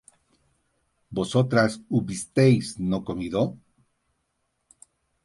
¿vosotras hubisteis no comido?